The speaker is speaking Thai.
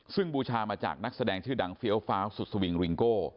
ซึ่งบูชามาจากนักแสดงชื่อดังเฟี้ยวฟ้าวสุดสวิงริงโก้